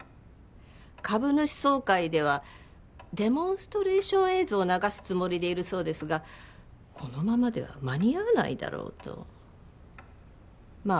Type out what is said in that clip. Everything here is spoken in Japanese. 株主総会ではデモンストレーション映像を流すつもりでいるそうですがこのままでは間に合わないだろうとまあ